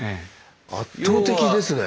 圧倒的ですね。